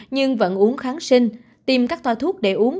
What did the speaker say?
nhưng vẫn uống kháng sinh tìm các toa thuốc để uống